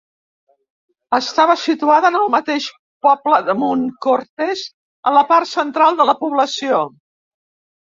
Estava situada en el mateix poble de Montcortès, a la part central de la població.